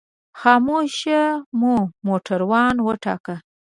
خاموش مو موټروان وټاکه.